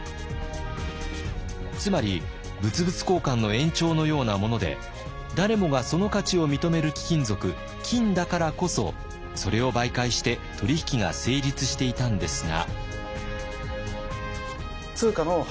つまり物々交換の延長のようなもので誰もがその価値を認める貴金属金だからこそそれを媒介して取引が成立していたんですが。